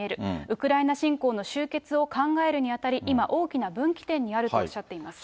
ウクライナ侵攻の終結を考えるにあたり、今、大きな分岐点にあるとおっしゃっています。